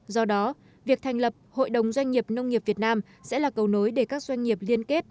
do đó việc thành lập hội đồng doanh nghiệp nông nghiệp việt nam sẽ là cầu nối để các doanh nghiệp liên kết